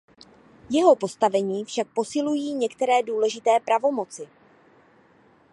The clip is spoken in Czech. Jeho postavení však posilují některé důležité pravomoci.